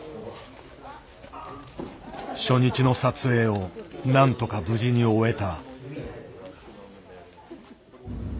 初日の撮影をなんとか無事に終えた。